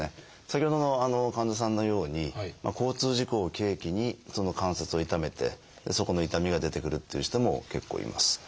先ほどの患者さんのように交通事故を契機にその関節を痛めてそこの痛みが出てくるっていう人も結構います。